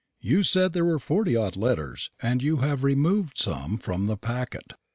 You said there were forty odd letters, and you have removed some of them from the packet.